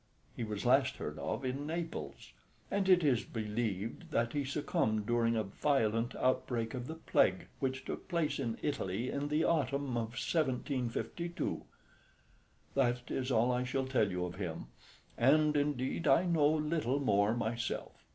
He was last heard of in Naples, and it is believed that he succumbed during a violent outbreak of the plague which took place in Italy in the autumn of 1752. That is all I shall tell you of him, and indeed I know little more myself.